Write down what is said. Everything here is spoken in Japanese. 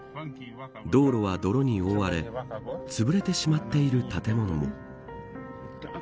道路は泥に覆われつぶれてしまっている建物も。